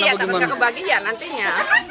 iya takut nggak kebagian nantinya